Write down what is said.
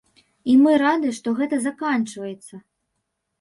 І мы рады, што гэта заканчваецца.